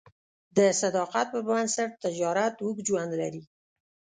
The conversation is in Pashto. د صداقت پر بنسټ تجارت اوږد ژوند لري.